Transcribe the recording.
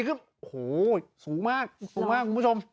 คุณผู้ชมสูงมาก